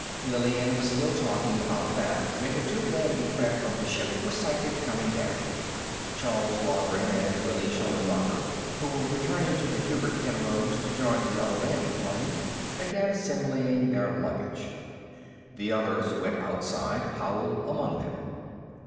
Lillian was still talking about that when the two landing craft from the ship were sighted, coming down. Charley Loughran and Willi Schallenmacher, who were returning to the Hubert Penrose to join the other landing party, began assembling their luggage. The others went outside, Howell among them.